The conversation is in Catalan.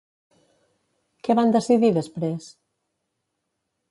Què van decidir després?